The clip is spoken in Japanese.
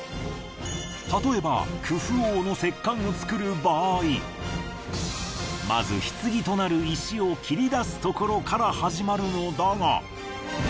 例えばクフ王の石棺を造る場合まず棺となる石を切り出すところから始まるのだが。